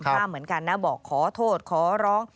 มันเกิดเหตุเป็นเหตุที่บ้านกลัว